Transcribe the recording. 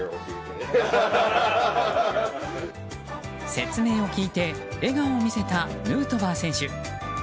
説明を聞いて笑顔を見せたヌートバー選手。